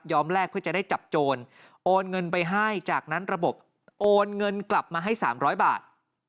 แลกเพื่อจะได้จับโจรโอนเงินไปให้จากนั้นระบบโอนเงินกลับมาให้๓๐๐บาท